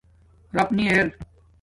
رَف نی ار